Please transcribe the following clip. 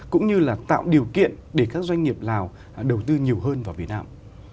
cũng như là tạo điều kiện để các doanh nghiệp lào đầu tư nhiều hơn vào việt nam